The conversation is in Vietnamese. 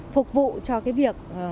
phục vụ cho việc